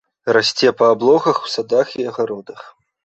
Расце па аблогах, у садах і агародах.